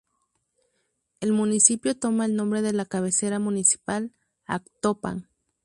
El municipio toma el nombre de la cabecera municipal: Actopan.